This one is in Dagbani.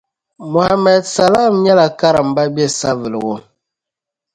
Mohammed salam nyela karimba be Savelugu